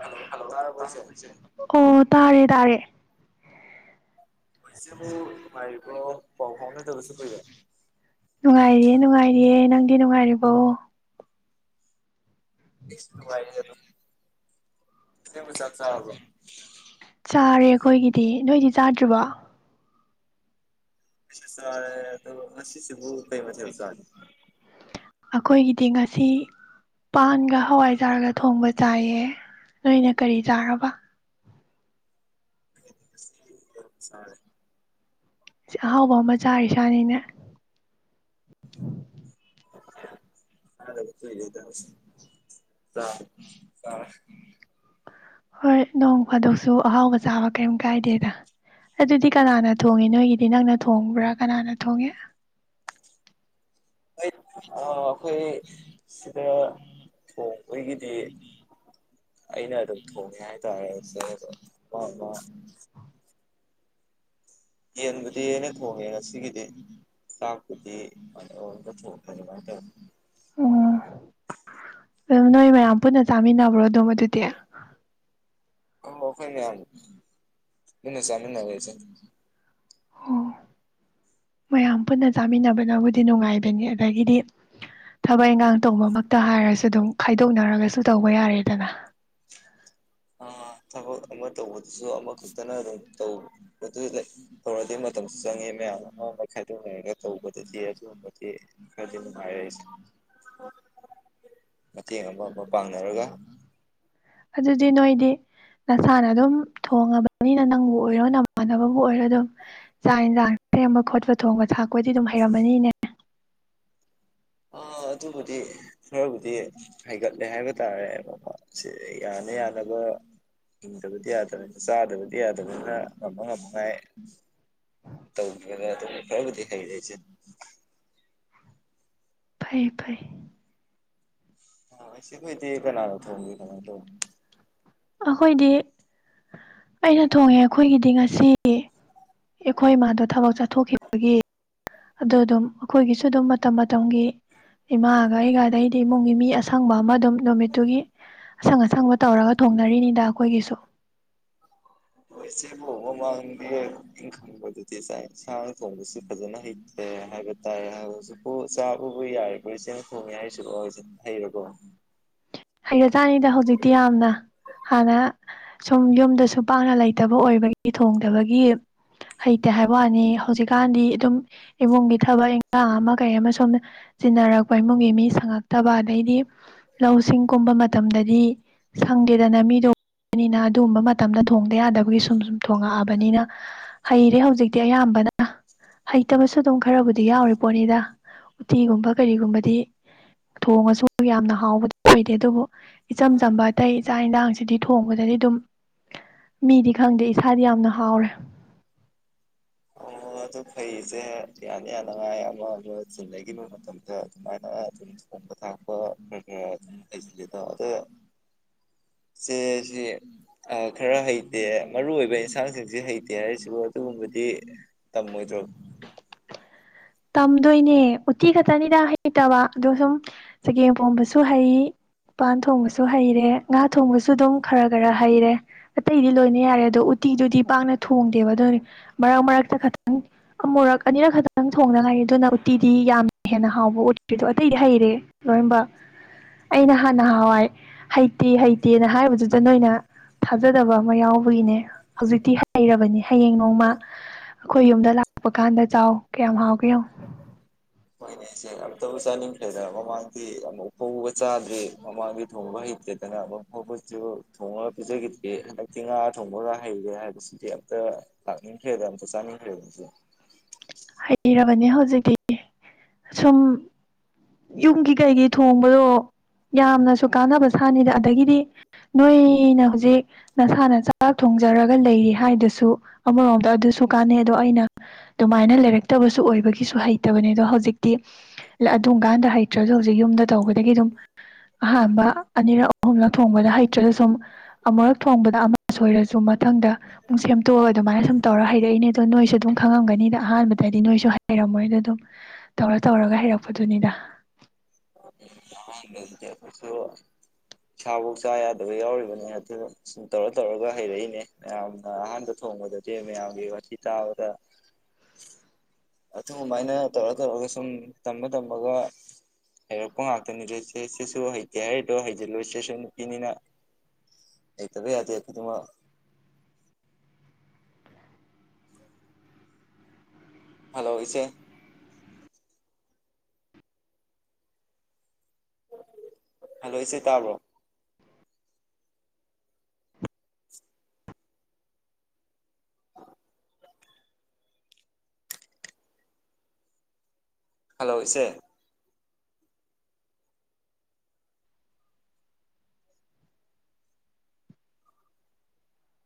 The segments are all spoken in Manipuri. ꯍꯜꯂꯣ ꯇꯥꯔꯕꯣ ꯏꯆꯦ [unintelligible] ꯇꯥꯔꯦ ꯇꯥꯔꯦ [inaudible] [inaudible] ꯅꯨꯡꯉꯥꯏꯔꯤꯌꯦ ꯅꯨꯡꯉꯥꯏꯔꯤꯌꯦ ꯅꯪꯗꯤ ꯅꯨꯡꯉꯥꯏꯔꯤꯕꯣ [inaudible] ꯏꯆꯦꯕꯨ ꯆꯥꯛ ꯆꯥꯔꯕꯣ ꯆꯥꯔꯦ ꯑꯈꯣꯏꯒꯤꯗꯤ ꯅꯣꯏꯗꯤ ꯆꯥꯗ꯭ꯔꯤꯕꯣ ꯑꯩꯁꯨ ꯆꯥꯔꯦ ꯑꯗꯣ ꯉꯁꯤꯁꯤꯕꯨ ꯀꯔꯤ ꯃꯊꯦꯜ ꯆꯥꯒꯦ ꯑꯈꯣꯏꯒꯤꯗꯤ ꯉꯁꯤ ꯄꯥꯟꯒ ꯍꯋꯥꯏꯖꯥꯔꯒ ꯊꯣꯡꯕ ꯆꯥꯏꯌꯦ ꯅꯣꯏꯅ ꯀꯔꯤ ꯆꯥꯔꯕ [inaudible] ꯑꯍꯥꯎꯕ ꯑꯃ ꯆꯥꯔꯤ [unintelligible] ꯅꯤꯅꯦ [inaudible] ꯍꯣꯏ ꯅꯣꯡ ꯐꯥꯗꯣꯛꯁꯨ ꯑꯍꯥꯎꯕ ꯆꯥꯕ ꯀꯔꯤꯝ ꯀꯥꯏꯗꯦꯗ ꯑꯗꯨꯗꯤ ꯀꯅꯥꯅ ꯊꯣꯡꯉꯦ ꯅꯣꯏꯒꯤꯗꯤ ꯅꯪꯅ ꯊꯣꯡꯕ꯭ꯔꯥ ꯀꯅꯥꯅ ꯊꯣꯡꯉꯦ ꯑ ꯑꯈꯣꯏ ꯁꯤꯗ ꯑꯈꯣꯏꯒꯤꯗꯤ ꯑꯩꯅ ꯑꯗꯨꯝ ꯊꯣꯡꯉꯦ ꯍꯥꯏꯇꯥꯔꯦ [unintelligible] ꯌꯦꯟꯕꯨꯗꯤ ꯑꯩꯅ ꯊꯣꯡꯉꯦ ꯉꯁꯤꯒꯤꯗꯤ ꯆꯥꯛꯄꯨꯗꯤ [unintelligible] ꯊꯣꯡꯉꯦ ꯑꯗꯨꯃꯥꯏꯅ ꯇꯧꯋꯤ ꯎꯝ ꯅꯣꯏ ꯃꯌꯥꯝ ꯄꯨꯟꯅ ꯆꯥꯃꯤꯟꯅꯕ꯭ꯔꯣ [unintelligible] ꯑꯥꯎ ꯑꯩꯈꯣꯏ ꯃꯌꯥꯝ ꯄꯨꯟꯅ ꯆꯥꯃꯤꯅꯔꯁꯦ ꯑꯣ ꯃꯌꯥꯝ ꯄꯨꯟꯅ ꯆꯥꯃꯤꯟꯅꯕꯅꯕꯨꯗꯤ ꯅꯨꯡꯉꯥꯏꯕꯅꯤ ꯑꯗꯒꯤꯗꯤ ꯊꯕꯛ ꯏꯟꯈꯥꯡ ꯇꯧꯕꯃꯛꯇ ꯍꯥꯏꯔꯁꯨ ꯑꯗꯨꯝ ꯈꯥꯏꯗꯣꯛꯅꯔꯒꯁꯨ ꯇꯧꯕ ꯌꯥꯔꯦꯗꯅ꯫ ꯑ ꯊꯕꯛ ꯑꯃ ꯇꯧꯕꯗꯨꯁꯨ ꯑꯃꯈꯛꯇꯅ ꯑꯗꯨꯝ ꯇꯧꯕ ꯑꯗꯨꯗ ꯇꯧꯔꯗꯤ ꯃꯇꯝꯁꯨ ꯆꯪꯉꯦ ꯃꯌꯥꯝꯅ ꯑꯉꯝ ꯉꯝꯕ ꯈꯥꯏꯗꯣꯛꯅꯔꯒ ꯇꯧꯕꯗꯗꯤ ꯑꯗꯨꯨꯝꯕꯗꯤ ꯈꯔꯗꯤ ꯅꯨꯡꯉꯥꯏꯔꯦꯏꯁꯦ ꯃꯇꯦꯡ ꯑꯃ ꯑꯃ ꯄꯥꯡꯅꯔꯒ ꯑꯗꯨꯗꯤ ꯅꯣꯏꯗꯤ ꯅꯁꯥꯅ ꯑꯗꯨꯝ ꯊꯣꯡꯉꯕꯅꯤꯅ ꯅꯪꯕꯨ ꯑꯣꯏꯔꯣ ꯅꯃꯥꯟꯅꯕ ꯕꯨ ꯑꯣꯏꯔ ꯑꯗꯨꯝ ꯆꯥꯛ ꯏꯟꯖꯥꯡ ꯁꯦꯝꯕ ꯈꯣꯠꯄ ꯊꯣꯡꯕ ꯊꯥꯛ ꯈꯣꯏꯗꯤ ꯑꯗꯨꯝ ꯍꯩꯔꯝꯃꯅꯤꯅꯦ ꯑ ꯑꯗꯨꯕꯨꯗꯤ ꯈꯔꯕꯨꯗꯤ ꯍꯩꯒꯠꯂꯦ ꯍꯥꯏꯕ ꯍꯥꯏꯇꯥꯔꯦ ꯃꯃ ꯁꯤ ꯌꯥꯅ ꯌꯥꯅꯕ ꯍꯤꯡꯗꯕꯗꯤ ꯌꯥꯗꯕꯅꯤꯅ ꯆꯥꯗꯕꯗꯤ ꯌꯥꯗꯕꯅꯤꯅ ꯉꯝꯕ ꯉꯝꯃꯉꯥꯏ ꯇꯧꯈꯤꯕꯗ ꯑꯗꯨꯝ ꯈꯔꯕꯨꯗꯤ ꯍꯩꯔꯦ ꯏꯆꯦ꯫ ꯐꯩ ꯐꯩ ꯑ ꯏꯆꯦꯈꯣꯏꯗꯤ ꯀꯅꯥꯅ ꯊꯣꯡꯒꯦ ꯀꯃꯥꯏ ꯇꯧꯕꯅꯣ? ꯑꯈꯣꯏꯗꯤ ꯑꯩꯅ ꯊꯣꯡꯉꯦ ꯑꯩꯈꯣꯏꯒꯤꯗꯤ ꯉꯁꯤ ꯑꯩꯈꯣꯏ ꯏꯃꯥꯗꯣ ꯊꯕꯛ ꯆꯠꯊꯣꯛꯈꯤꯕꯒꯤ꯫ ꯑꯗꯨ ꯑꯗꯨꯝ ꯑꯩꯈꯣꯏꯒꯤꯁꯨ ꯑꯗꯨꯝ ꯃꯇꯝ ꯃꯇꯝꯒꯤ ꯏꯃꯥꯒ ꯑꯩꯒꯗꯩꯗꯤ ꯏꯃꯨꯡꯒꯤ ꯃꯤ ꯑꯁꯪꯕ ꯑꯃ ꯑꯗꯨꯝ ꯅꯨꯃꯤꯠꯇꯨꯒꯤ ꯑꯁꯪ ꯑꯁꯪꯕ ꯇꯧꯔꯒ ꯊꯣꯡꯅꯔꯤꯅꯤꯗ ꯑꯩꯈꯣꯏꯒꯤꯁꯨ꯫ ꯍꯣꯏ ꯏꯆꯦꯕꯨ ꯃꯃꯥꯡꯗꯤ ꯑꯩ ꯈꯪꯕꯗꯗꯤ ꯆꯥꯛ ꯌꯦꯟꯁꯥꯡ ꯊꯣꯡꯕꯁꯤ ꯐꯖꯅ ꯍꯩꯇꯦ ꯍꯥꯏꯕ ꯇꯥꯔꯦ ꯍꯧ ꯍꯧꯖꯤꯛ ꯆꯥꯕꯕꯨ ꯌꯥꯔꯤꯕ꯭ꯔ ꯏꯆꯦꯅ ꯊꯣꯡꯉꯦ ꯍꯥꯏꯁꯤꯕꯨ ꯍꯧꯖꯤꯛ ꯍꯩꯔꯕꯣ? ꯍꯩꯔꯆꯥꯅꯤꯗ ꯍꯧꯖꯤꯛꯇꯤ ꯌꯥꯝꯅ ꯍꯥꯟꯅ ꯁꯨꯝ ꯌꯨꯝꯗꯁꯨ ꯄꯥꯛꯅ ꯂꯩꯇꯕ ꯑꯣꯏꯕꯒꯤ ꯊꯣꯡꯗꯕꯒꯤ ꯍꯩꯇꯦ ꯍꯥꯏꯕ ꯋꯥꯅꯤ ꯍꯧꯖꯤꯛꯀꯥꯟꯗꯤ ꯑꯗꯨꯝ ꯏꯃꯨꯡꯒꯤ ꯊꯕꯛ ꯏꯟꯈꯥꯡ ꯑꯃ ꯀꯩ ꯑꯃ ꯁꯨꯝ ꯆꯤꯟꯅꯔꯛꯄ ꯏꯃꯨꯡꯒꯤ ꯃꯤ ꯁꯪꯉꯛꯇꯕ ꯑꯗꯩꯗꯤ ꯂꯧꯁꯤꯡ ꯀꯨꯝꯕ ꯃꯇꯝꯗꯗꯤ ꯁꯪꯗꯦꯗꯅ ꯃꯤꯗꯣ ꯎꯕꯅꯤꯅ ꯑꯗꯨꯒꯨꯝꯕ ꯃꯇꯝꯗ ꯊꯣꯡꯗ ꯌꯥꯗꯕꯒꯤ ꯁꯨꯝ ꯁꯨꯝ ꯊꯣꯡꯉꯛꯑꯕꯅꯤꯅ ꯍꯩꯔꯦ ꯍꯧꯖꯤꯛꯇꯤ ꯑꯌꯥꯝꯕꯅ ꯍꯩꯇꯕꯁꯨ ꯑꯗꯨꯝ ꯈꯔꯕꯨꯗꯤ ꯌꯥꯎꯔꯤ ꯄꯣꯠꯅꯤꯗ ꯎꯠꯇꯤꯒꯨꯝꯕ ꯀꯔꯤꯒꯨꯝꯕꯗꯤ ꯊꯣꯡꯉꯁꯨ ꯌꯥꯝꯅ ꯍꯥꯎꯕꯗ ꯑꯣꯏꯗꯦ ꯑꯗꯨꯕꯨ ꯏꯆꯝ ꯆꯝꯕ ꯑꯇꯩ ꯆꯥꯛ ꯏꯟꯁꯥꯡꯁꯤꯗꯤ ꯊꯣꯡꯕꯗꯗꯤ ꯑꯗꯨꯝ ꯃꯤꯗꯤ ꯈꯪꯗꯦ ꯏꯁꯥꯗꯤ ꯌꯥꯝꯅ ꯍꯥꯎꯔꯦ꯫ ꯑꯣ ꯑꯗꯨ ꯐꯩ ꯏꯆꯦ ꯌꯥꯅ ꯌꯥꯅꯉꯥꯏ ꯑꯃ ꯑꯃ ꯆꯤꯟꯅꯈꯤꯕ ꯃꯇꯝꯗ ꯑꯗꯨꯃꯥꯏꯅ ꯑꯗꯨꯝ ꯊꯣꯡꯕ ꯊꯥꯛꯄ ꯈ ꯈ ꯑꯗꯨꯝ ꯍꯩꯖꯤꯜꯂꯤꯗꯣ ꯑꯗꯣ ꯆꯦꯁꯤ ꯈꯔ ꯍꯩꯇꯦ ꯃꯔꯨꯑꯣꯏꯕ ꯏꯟꯁꯥꯡꯁꯤꯡꯁꯤ ꯍꯩ ꯇꯦ ꯍꯥꯏꯔꯤꯁꯤꯕꯨ ꯑꯗꯨꯒꯨꯝꯕꯗꯤ ꯇꯝꯃꯣꯏꯗꯔꯣ? ꯇꯝꯗꯣꯏꯅꯦ ꯎꯇꯤ ꯈꯛꯇꯅꯤꯗ ꯍꯩꯇꯕ ꯑꯗꯣ ꯁꯨꯝ ꯆꯒꯦꯝ ꯄꯣꯝꯕꯁꯨ ꯍꯩ ꯃꯄꯥꯟ ꯊꯣꯡꯕꯁꯨ ꯍꯩꯔꯦ ꯉꯥ ꯊꯣꯡꯕꯁꯨ ꯑꯗꯨꯝ ꯈꯔ ꯈꯔ ꯍꯩꯔꯦ ꯑꯇꯩꯗꯤ ꯂꯣꯏꯅ ꯌꯥꯔꯦ ꯑꯗꯣ ꯎꯠꯇꯤꯗꯨꯗꯤ ꯄꯥꯛꯅ ꯊꯣꯡꯗꯦꯕ ꯑꯗꯨꯅꯦ ꯃꯔꯛ ꯃꯔꯛꯇ ꯈꯇꯪ ꯑꯃꯨꯔꯛ ꯑꯅꯤꯔꯛ ꯈꯛꯇꯪ ꯊꯣꯡꯗ ꯉꯥꯏꯔꯤ ꯑꯗꯨꯅ ꯎꯇꯤꯗꯤ ꯌꯥꯝꯅ ꯍꯦꯟꯅ ꯍꯥꯎꯕ ꯑꯣꯏꯖꯔꯤꯗ ꯑꯇꯩꯗꯤ ꯍꯩꯔꯦ ꯂꯣꯏꯅꯃꯛ ꯑꯩꯅ ꯍꯥꯟꯅ ꯅꯍꯥꯋꯥꯏ ꯍꯩꯇꯦ ꯍꯩꯇꯦꯅ ꯍꯥꯏꯕꯗꯨꯗ ꯅꯣꯏꯅ ꯊꯥꯖꯗꯕ ꯑꯃ ꯌꯥꯎꯕꯒꯤꯅꯦ ꯍꯧꯖꯤꯛꯇꯤ ꯍꯩꯔꯕꯅꯤ ꯍꯌꯦꯡ ꯅꯣꯡꯃ ꯑꯩꯈꯣꯏ ꯌꯨꯝꯗ ꯂꯥꯛꯄ ꯀꯥꯟꯗ ꯆꯥꯎ꯫ ꯀꯌꯥꯝ ꯍꯥꯏꯒꯦ ꯌꯦꯡꯉꯨ꯫ ꯁꯦ ꯑꯝꯇꯕꯨ ꯆꯥꯅꯤꯡꯈ꯭ꯔꯦꯗ ꯃꯃꯥꯡꯗꯤ ꯑꯃꯨꯛ ꯐꯧꯕ ꯆꯥꯗ꯭ꯔꯤ ꯃꯃꯥꯡꯗꯤ ꯊꯣꯡꯕ ꯍꯩꯇꯦꯗꯅ ꯑꯃꯨꯛ ꯐꯧꯕꯁꯨ ꯊꯣꯡꯉꯒ ꯄꯤꯖꯈꯤꯗ꯭ꯔꯦ ꯍꯟꯗꯛꯇꯤ ꯉꯥ ꯊꯣꯡꯕꯒ ꯍꯩꯔꯦ ꯍꯥꯏꯕꯁꯤꯗꯤ ꯑꯝꯇ ꯂꯥꯛꯅꯤꯡꯈ꯭ꯔꯦꯗ ꯑꯝꯇ ꯆꯥꯅꯤꯡꯈ꯭ꯔꯦꯗ ꯏꯆꯦ꯫ ꯕꯅꯦ ꯍꯧꯖꯤꯛꯇꯤ ꯁꯨꯝ ꯌꯨꯝꯒꯤ ꯀꯩꯒꯤ ꯊꯣꯡꯕꯗꯣ ꯌꯥꯝꯅꯁꯨ ꯀꯥꯟꯅꯕ ꯁꯥꯅꯤꯗ ꯑꯗꯒꯤꯗꯤ ꯅꯣꯏꯅ ꯍꯧꯖꯤꯛ ꯅꯁꯥꯅ ꯆꯥꯛꯥ ꯊꯣꯡꯖꯔꯒ ꯂꯩꯔꯤ ꯍꯥꯏꯗꯨꯁꯨ ꯑꯃꯔꯣꯝꯗ ꯑꯗꯨꯁꯨ ꯀꯥꯟꯅꯩ ꯑꯗꯣ ꯑꯩꯅ ꯑꯗꯨꯃꯥꯏꯅ ꯂꯩ ꯂꯩꯔꯛꯇꯕꯁꯨ ꯑꯣꯏꯕꯒꯤ ꯍꯩꯇꯕꯅꯦ ꯑꯗꯣ ꯍꯧꯖꯤꯛꯇꯤ ꯑꯗꯨꯝꯀꯥꯟꯗ ꯍꯩꯇꯔꯁꯨ ꯍꯧꯖꯤꯛ ꯌꯨꯝꯗ ꯇꯧꯕꯗꯒꯤ ꯑꯗꯨꯝ ꯑꯍꯥꯟꯕ ꯑꯅꯤꯔꯛ ꯑꯍꯨꯝꯂꯛ ꯊꯣꯡꯕꯗ ꯍꯩꯇꯔꯁꯨ ꯁꯨꯝ ꯑꯃꯨꯔꯛ ꯊꯣꯡꯕꯗ ꯑꯃ ꯁꯣꯏꯔꯁꯨ ꯃꯊꯪꯗ ꯄꯨꯡ ꯁꯦꯝꯇꯣꯛꯑ ꯑꯗꯨꯃꯥꯏ ꯁꯨꯝ ꯇꯧꯔ ꯍꯩꯔꯛꯏꯅꯤꯗ ꯑꯗꯤ ꯅꯣꯏꯁꯨ ꯑꯗꯨꯝ ꯈꯪꯉꯝꯒꯅꯤꯗ ꯑꯍꯥꯟꯕ ꯗꯗꯤ ꯅꯣꯏꯁꯨ ꯍꯩꯔꯝꯃꯣꯏꯗ ꯑꯗꯨꯝ ꯇꯧꯔ ꯇꯧꯔꯒ ꯍꯩꯔꯛꯄꯗꯨꯅꯤꯗ꯫ ꯑꯍꯥꯟꯕꯗꯗꯤ ꯑꯩꯈꯣꯏꯁꯨ ꯏꯁꯥꯐꯧ ꯆꯥ ꯌꯥꯗꯕ ꯌꯥꯎꯔꯤꯕꯅꯦ ꯑꯗꯨ ꯁꯨꯝ ꯇꯧꯔ ꯇꯧꯔꯒ ꯍꯩꯔꯛꯏꯅꯦ ꯃꯌꯥꯝꯅ ꯑꯍꯥꯟꯕ ꯊꯣꯡꯕꯗꯗꯤ ꯃꯌꯥꯝꯒꯤ ꯋꯥꯊꯤ ꯇꯥꯕꯗ ꯑꯗꯨꯃꯥꯏꯅ ꯇꯧꯔ ꯇꯧꯔꯒ ꯁꯨꯝ ꯇꯝꯃ ꯇꯝꯃꯒ ꯍꯩꯔꯛꯄ ꯉꯥꯛ ꯅꯤꯗ ꯏꯆꯦ ꯏꯆꯦꯁꯨ ꯍꯩꯇꯦ ꯍꯥꯏꯔꯤꯗꯣ ꯍꯩꯖꯤꯜꯂꯨ ꯏꯆꯦꯁꯨ ꯅꯨꯄꯤꯅꯤꯅ ꯍꯩꯇꯕ ꯌꯥꯗꯦ ꯑꯗꯨꯃꯛ ꯍꯜꯂꯣ ꯏꯆꯦ꯫ ꯍꯜꯂꯣ ꯏꯆꯦ ꯇꯥꯕ꯭ꯔꯣ? ꯍꯜꯂꯣ ꯏꯆꯦ?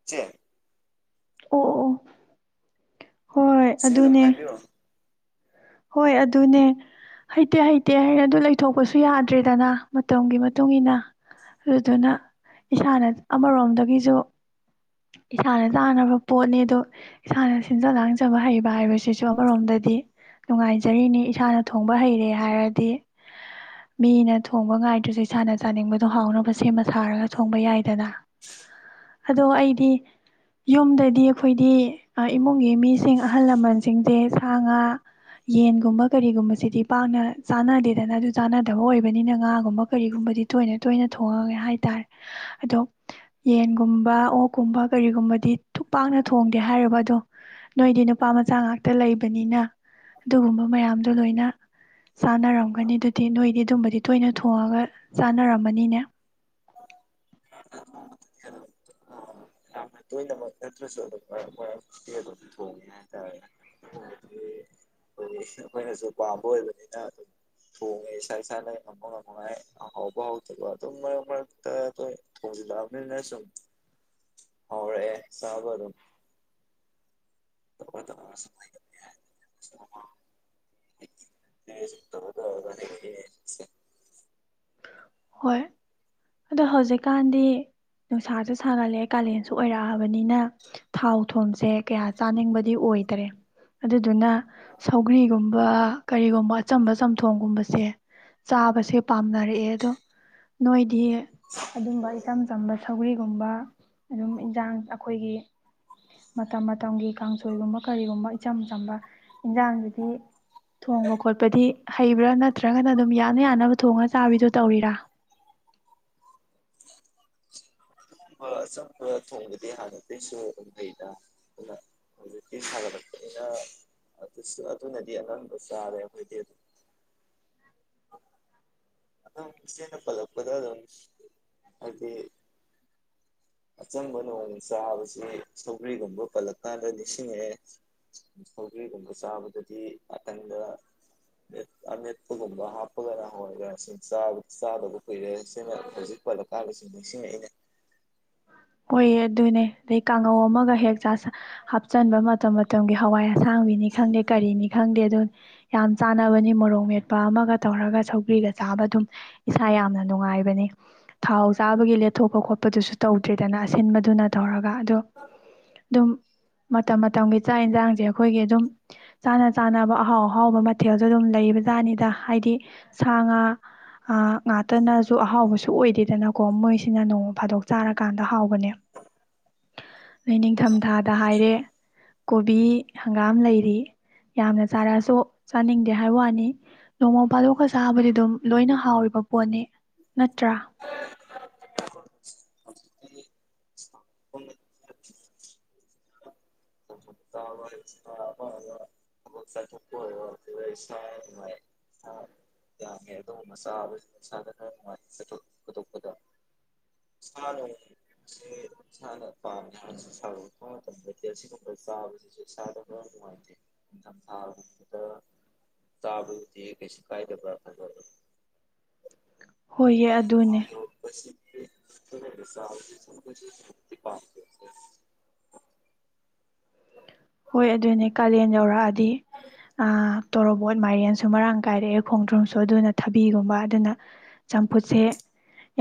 ꯏꯆꯦ ꯑꯣ ꯑꯣ ꯍꯣꯏ ꯏꯆꯦ ꯑꯗꯨꯝ ꯑꯗꯨꯅꯦ ꯍꯥꯏꯕꯤꯔꯣ꯫ ꯍꯣꯏ ꯑꯗꯨꯅꯦ ꯍꯩꯇꯦ ꯍꯩꯇꯦ ꯍꯥꯏ ꯑꯗꯨ ꯂꯩꯊꯣꯛꯄꯁꯨ ꯌꯥꯗ꯭ꯔꯦꯗꯅ ꯃꯇꯝꯒꯤ ꯃꯇꯨꯡ ꯏꯟꯅ ꯑꯗꯨꯗꯨꯅ ꯏꯁꯥꯅ ꯑꯃꯔꯣꯝꯗꯒꯤꯁꯨ ꯏꯁꯥꯅ ꯆꯥꯅꯕ ꯄꯣꯠꯅꯤ ꯑꯗꯣ ꯏꯁꯥꯅ ꯁꯤꯟꯖ ꯂꯥꯡꯖꯕ ꯍꯩꯕ ꯍꯥꯏꯕꯁꯤꯁꯨ ꯑꯃꯔꯣꯝꯗꯗꯤ ꯅꯨꯡꯉꯥꯏꯖꯔꯤꯅꯤ ꯏꯁꯥꯅ ꯊꯣꯡꯕ ꯍꯩꯔꯦ ꯍꯥꯏꯔꯗꯤ ꯃꯤꯅ ꯊꯣꯡꯕ ꯉꯥꯏꯗ꯭ꯔꯁꯨ ꯏꯁꯥꯅ ꯆꯥꯅꯤꯡꯕꯗꯣ ꯍꯥꯎꯅꯕ ꯁꯦꯝꯃ ꯁꯥꯔꯒ ꯊꯣꯡꯕ ꯌꯥꯏꯗꯅ ꯑꯗꯣ ꯑꯩ ꯌꯨꯝꯗꯗꯤ ꯑꯩꯈꯣꯏꯗꯤ ꯏꯃꯨꯡꯒꯤ ꯃꯤꯁꯤꯡ ꯑꯍꯜ ꯂꯃꯟꯁꯤꯡꯁꯦ ꯁꯥ ꯉꯥ ꯌꯦꯟꯒꯨꯝꯕ ꯀꯔꯤꯒꯨꯝꯕꯁꯤꯗꯤ ꯄꯥꯛꯅ ꯆꯥꯅꯗꯦꯗꯅ ꯑꯗꯨ ꯆꯥꯅꯗꯕ ꯑꯣꯏꯕꯅꯤꯅ ꯉꯥꯒꯨꯝꯕ ꯀꯔꯤꯒꯨꯝꯕꯗꯤ ꯇꯣꯏꯅ ꯇꯣꯏꯅ ꯊꯣꯡꯉꯒꯦ ꯍꯥꯏꯇꯥꯔꯦ ꯑꯗꯣ ꯌꯦꯟꯒꯨꯝꯕ ꯑꯣꯛ ꯀꯨꯝꯕ ꯀꯔꯤꯒꯨꯝꯕꯗꯤ ꯊꯨꯛ ꯄꯥꯛꯅ ꯊꯣꯡꯗꯦ ꯍꯥꯏꯔꯤꯕ ꯑꯗꯣ ꯅꯣꯏꯗꯤ ꯅꯨꯄꯥ ꯃꯆꯥ ꯉꯥꯛꯇ ꯂꯩꯕꯅꯤꯅ ꯑꯗꯨꯒꯨꯝꯕ ꯃꯌꯥꯝꯗꯣ ꯂꯣꯏꯅ ꯆꯥꯅꯔꯝꯒꯅꯤ ꯑꯗꯨꯗꯤ ꯅꯣꯏꯗꯤ ꯑꯗꯨꯝꯕꯗꯤ ꯇꯣꯏꯅ ꯊꯣꯡꯉꯒ ꯆꯥꯅꯔꯝꯃꯅꯤꯅꯦ? [unintelligible] ꯌꯥꯝꯅ ꯇꯣꯏꯅꯃꯛ ꯅꯠꯇ꯭ꯔꯁꯨ ꯑꯗꯨꯝ ꯃꯔꯛ ꯃꯔꯛꯇꯗꯤ ꯑꯗꯨꯝ ꯊꯣꯡꯉꯦ ꯍꯥꯏꯇꯥꯔꯦ ꯑꯗꯨꯗꯤ ꯑꯩꯈꯣꯏꯒꯤ ꯑꯩꯈꯣꯏꯅꯁꯨ ꯄꯥꯝꯕ ꯑꯣꯏꯕꯅꯤꯅ ꯑꯗꯨꯝ ꯊꯣꯡꯉꯦ ꯏꯁꯥ ꯏꯁꯥꯅ ꯉꯝꯕ ꯉꯝꯃꯉꯥꯏ ꯑꯍꯥꯎꯕ ꯍꯥꯎꯇꯕ ꯑꯗꯨꯝ ꯃꯔꯛ ꯃꯔꯛꯇ ꯊꯣꯡꯖꯤꯜꯂꯛꯑꯕꯅꯤꯅ ꯁꯨꯝ ꯍꯧꯔꯛꯀꯦ ꯆꯥꯕꯥ ꯑꯗꯨꯝ ꯇ ꯇ ꯇ [unintelligible] ꯍꯣꯏ ꯑꯗꯣ ꯍꯧꯖꯤꯛꯀꯥꯟꯗꯤ ꯅꯨꯡꯁꯥꯁꯦ ꯁꯥꯒꯠꯂꯛꯑꯦ ꯀꯥꯂꯦꯟꯁꯨ ꯑꯣꯏꯔꯛꯑꯕꯅꯤꯅ ꯊꯥꯎ ꯊꯨꯝꯁꯦ ꯀꯌꯥ ꯆꯥꯅꯤꯡꯕꯗꯤ ꯑꯣꯏꯗ꯭ꯔꯦ ꯑꯗꯨꯗꯨꯅ ꯁꯧꯒ꯭ꯔꯤꯒꯨꯝꯕ ꯀꯔꯤꯒꯨꯝꯕ ꯑꯆꯝꯕ ꯆꯝꯊꯣꯡꯒꯨꯝꯕꯁꯦ ꯆꯥꯕꯁꯦ ꯄꯥꯝꯅꯔꯛꯑꯦ ꯑꯗꯣ ꯅꯣꯏꯗꯤ ꯑꯗꯨꯝꯕꯩ ꯏꯆꯝ ꯆꯝꯕ ꯁꯧꯒ꯭ꯔꯤꯒꯨꯝꯕ ꯑꯗꯨꯝ ꯏꯟꯖꯥꯡ ꯑꯩꯈꯣꯏꯒꯤ ꯃꯇꯝ ꯃꯇꯝꯒꯤ ꯀꯥꯡꯁꯣꯏꯒꯨꯝꯕ ꯀꯔꯤꯒꯨꯝꯕ ꯏꯆꯝ ꯆꯝꯕ ꯏꯟꯖꯥꯡꯁꯤꯗꯤ ꯊꯣꯡꯕ ꯈꯣꯠꯄꯗꯤ ꯍꯩꯕ꯭ꯔꯥ ꯅꯠꯇ꯭ꯔꯒꯅ ꯑꯗꯨꯝ ꯌꯥꯅ ꯌꯥꯅꯕ ꯊꯣꯡꯉ ꯆꯥꯕꯤꯗꯣ ꯇꯧꯔꯤꯔꯥ ꯑꯆꯪꯄ ꯊꯣꯡꯕꯗꯤ ꯍꯥꯟꯅꯇꯩꯁꯨ ꯎꯨꯝꯍꯩꯗ ꯑꯗꯨ ꯍꯧꯖꯤꯛꯇꯤ ꯁꯥꯒꯠꯂꯛꯄꯅꯤꯅꯁꯨ ꯑꯗꯨꯅꯗꯤ ꯑꯉꯝꯕ ꯆꯥꯔꯦ ꯑꯩꯈꯣꯏꯗꯤ ꯑꯗꯨꯝ ꯑꯗꯨꯝ ꯆꯦꯅ ꯄꯥꯂꯛꯞꯗ ꯑꯗꯨꯝ ꯍꯥꯏꯗꯤ ꯑꯆꯝꯕ ꯅꯣꯡ ꯆꯥꯕꯁꯤ ꯁꯧꯒ꯭ꯔꯤꯒꯨꯝꯕ ꯄꯜꯂꯀꯥꯟꯗ ꯅꯤꯡꯁꯤꯡꯉꯛꯑꯦ ꯁꯧꯒ꯭ꯔꯤꯒꯨꯝꯕ ꯆꯥꯕꯗꯗꯤ ꯑꯊꯟꯗ ꯑꯃꯦꯠꯄꯒꯨꯝꯕ ꯍꯥꯞꯄꯒꯅ ꯍꯔꯒ ꯆꯥꯕꯒ ꯀꯨꯏꯔꯦ ꯁꯤꯅ ꯍꯧꯖꯤꯛ ꯄꯜꯂꯛꯀꯥꯟꯗꯁꯨ ꯅꯤꯡꯁꯤꯡꯉꯛꯏꯅꯦ ꯍꯌꯦ ꯑꯗꯨꯅꯦ ꯑꯗꯩ ꯀꯥꯡꯉꯧ ꯑꯃꯒ ꯍꯦꯛ ꯍꯥꯞꯆꯟꯕ ꯃꯇꯝ ꯃꯇꯝꯒꯤ ꯍꯋꯥꯏ ꯑꯁꯥꯡꯕꯤꯅꯤ ꯈꯪꯗꯦ ꯀꯔꯤꯅꯤ ꯈꯪꯗꯦ ꯑꯗꯨ ꯌꯥꯝ ꯆꯥꯅꯕꯅꯤ ꯃꯣꯔꯣꯡ ꯃꯦꯠꯄ ꯑꯃꯒ ꯇꯧꯔꯒ ꯁꯧꯒ꯭ꯔꯤꯒ ꯆꯥꯕ ꯑꯗꯨꯝ ꯏꯁꯥ ꯌꯥꯝꯅ ꯅꯨꯡꯉꯥꯏꯕꯅꯤ ꯊꯥꯎ ꯆꯥꯕꯒꯤ ꯂꯦꯠꯊꯣꯛꯄ ꯈꯣꯠꯄꯗꯨꯁꯨ ꯇꯧ ꯐꯠꯇ꯭ꯔꯦꯗꯅ ꯑꯁꯤꯟꯕꯗꯨꯅ ꯇꯧꯔꯒ ꯑꯗꯣ ꯑꯗꯨꯝ ꯃꯇꯝ ꯃꯇꯝꯒꯤ ꯆꯥꯛ ꯌꯦꯟꯁꯥꯡꯁꯦ ꯑꯩꯈꯣꯏꯒꯤ ꯑꯗꯨꯝ ꯆꯥꯅ ꯆꯥꯅꯕ ꯑꯍꯥꯎ ꯑꯍꯥꯎꯕ ꯃꯊꯦꯜꯗꯣ ꯑꯗꯨꯝ ꯂꯩꯕꯖꯥꯠꯅꯤꯗ ꯍꯥꯏꯗꯤ ꯁꯥ ꯉꯥ ꯉꯥꯛꯇꯅꯁꯨ ꯑꯍꯥꯎꯕꯁꯨ ꯑꯣꯏꯗꯦꯗꯅꯀꯣ ꯃꯣꯏꯁꯤꯅ ꯅꯣꯡꯃ ꯐꯥꯗꯣꯛ ꯆꯥꯔ ꯀꯥꯟꯗ ꯍꯥꯎꯕꯅꯦ ꯑꯣꯏ ꯅꯤꯡꯊꯝꯊꯥꯗ ꯍꯥꯏꯔꯦ ꯀꯣꯕꯤ ꯍꯪꯒꯥꯝ ꯂꯩꯔꯤ ꯌꯥꯝꯅ ꯆꯥꯔꯛꯑꯁꯨ ꯆꯥꯅꯤꯡꯗꯦ ꯍꯥꯏꯕ ꯋꯥꯅꯤ ꯅꯣꯡꯃ ꯄꯥꯗꯣꯛꯀ ꯆꯥꯕꯗꯤ ꯑꯗꯨꯝ ꯂꯣꯏꯅ ꯍꯥꯎꯔꯤꯕ ꯄꯣꯠꯅꯤ ꯅꯠꯇ꯭ꯔꯥ ꯆꯥꯕ ꯁꯥ ꯑꯐꯕ ꯊꯕꯛ ꯆꯥꯊꯣꯛꯄ ꯑꯣꯏꯔꯣ ꯑꯗꯨꯒ ꯏꯁ ꯅꯨꯡꯉꯥꯏ ꯁꯥ ꯌꯥꯝꯉ ꯑꯗꯨꯒꯨꯝꯕ ꯆꯥꯕꯁꯤ ꯏꯁꯥꯗꯅ ꯅꯨꯡꯉꯥꯏ ꯆꯊꯣꯛ ꯈꯣꯇꯣꯛꯄꯗ ꯏꯁꯅ ꯏꯁꯥꯅ ꯄꯥꯝꯃꯦ ꯍꯥꯏꯔꯁꯨ ꯁꯥꯗꯂꯛꯄ ꯃꯇꯝꯗꯗꯤ ꯑꯁꯤꯒꯨꯝꯕ ꯆꯥꯕꯁꯤ ꯁꯥꯗꯕ꯭ꯔ ꯅꯨꯡꯉꯥꯏꯇꯦ ꯏꯊꯝ ꯊꯥ ꯃꯇꯝꯗ ꯆꯥꯕꯕꯨꯗꯤ ꯀꯩꯁꯨ ꯀꯥꯏꯗꯕ꯭ꯔꯥ ꯈꯕꯗ ꯍꯣꯏꯌꯦ ꯑꯗꯨꯅꯦ ꯄꯥ [unintelligible] ꯗꯤ ꯑꯥ ꯇꯣꯔꯣꯕꯣꯠ ꯃꯥꯏꯔꯦꯟꯁꯨ ꯃꯔꯥꯡ ꯀꯥꯏꯔꯛꯑꯦ ꯈꯣꯡꯗ꯭ꯔꯨꯝꯁꯨ ꯑꯗꯨꯅ ꯊꯕꯤꯒꯨꯝꯕ ꯑꯗꯨꯅ ꯆꯝꯐꯨꯠꯁꯦ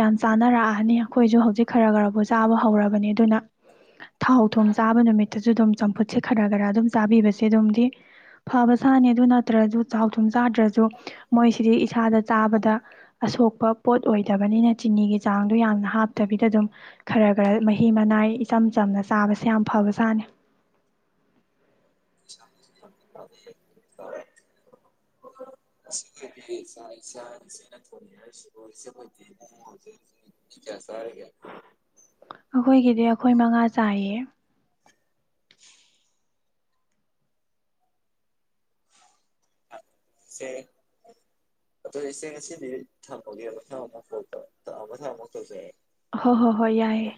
ꯌꯥꯝ ꯆꯥꯅꯔꯛꯑꯅꯤ ꯑꯩꯈꯣꯏꯁꯨ ꯍꯧꯖꯤꯛ ꯈꯔ ꯈꯔꯕꯨ ꯆꯥꯕ ꯍꯧꯔꯕꯅꯤ ꯑꯗꯨꯅ ꯊꯥꯎ ꯊꯨꯝ ꯆꯥꯕ ꯅꯨꯃꯤꯠꯇꯁꯨ ꯑꯗꯨꯝ ꯆꯝꯐꯨꯠꯁꯦ ꯈꯔ ꯈꯔ ꯑꯗꯨꯝ ꯆꯥꯕꯤꯕꯁꯦ ꯑꯗꯨꯝꯗꯤ ꯐꯕ ꯁꯥꯅꯤ ꯑꯗꯨ ꯅꯠꯇ꯭ꯔꯁꯨ ꯆꯥꯎ ꯊꯨꯝ ꯆꯥꯗ꯭ꯔꯁꯨ ꯃꯣꯏꯁꯤꯗꯤ ꯏꯁꯥꯗ ꯆꯥꯕꯗ ꯑꯁꯣꯛꯄ ꯄꯣꯠ ꯑꯣꯏꯗꯕꯅꯤꯅ ꯆꯤꯅꯤꯒꯤ ꯆꯥꯡꯗꯣ ꯌꯥꯝꯅ ꯍꯥꯞꯇꯕꯤꯗ ꯑꯗꯨꯝ ꯈꯔ ꯈꯔ ꯃꯍꯤ ꯃꯅꯥꯏ ꯏꯆꯝ ꯆꯝꯅ ꯆꯥꯕꯁꯦ ꯌꯥꯝ ꯐꯕ ꯁꯥꯅꯤ [inaudible] ꯑꯩꯈꯣꯏꯒꯤꯗꯤ ꯑꯩꯈꯣꯏ ꯃꯉꯥ ꯆꯥꯏꯌꯦ [inaudible] ꯆꯦ ꯑꯗꯣꯉꯁꯤꯒꯤꯗꯤ ꯊꯥꯃꯒꯦ ꯃꯊꯪꯗ ꯑꯃꯨꯛ ꯃꯊꯪ ꯑꯃꯣꯜ ꯀꯤꯜ ꯇꯧꯖꯔꯀꯥꯒꯦ ꯍꯣꯏ ꯍꯣꯏ ꯍꯣꯏ ꯌꯥꯏꯌꯦ